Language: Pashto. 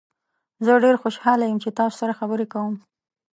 زه ډیر خوشحال یم چې تاسو سره خبرې کوم.